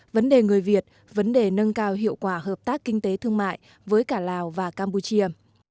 vấn đề người việt vấn đề nâng cao hiệu quả hợp tác kinh tế thương mại với cả lào và campuchia